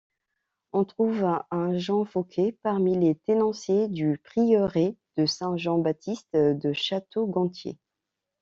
On trouve un Jehan Foucquet parmi les tenanciers du prieuré de Saint-Jean-Baptiste de Château-Gontier.